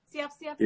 siap siap siap